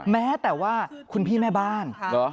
แม้แต่ว่าคุณพี่แม่บ้าน